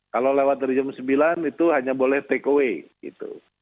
kalau lewat dari jam sembilan itu hanya boleh take away gitu